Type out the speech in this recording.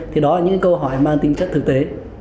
thì đó là những câu hỏi mang tính chất thực tế